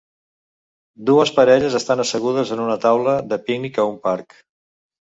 Dues parelles estan assegudes en una taula de pícnic a un parc.